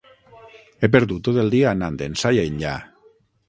He perdut tot el dia anant ençà i enllà!